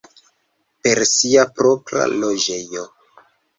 Per sia propra loĝejo.